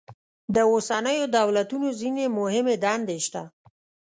د اوسنیو دولتونو ځینې مهمې دندې شته.